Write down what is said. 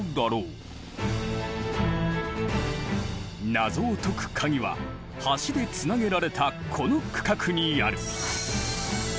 謎を解くカギは橋でつなげられたこの区画にある。